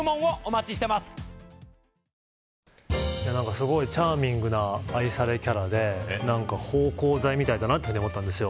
すごいチャーミングな愛されキャラで芳香剤みたいだなと思ったんです。